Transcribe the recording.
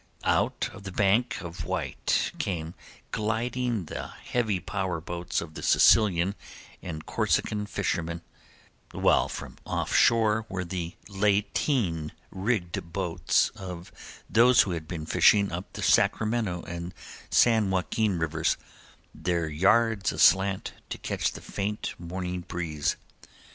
Out of the bank of white came gliding the heavy power boats of the Sicilian and Corsican fishermen, while from off shore were the ghostly lateen rigged boats of those who had been fishing up the Sacramento and San Joaquin rivers, their yards aslant to catch the faint morning breeze.